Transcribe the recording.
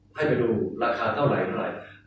ให้ไปดูราคาเท่าไรก็ล่ะ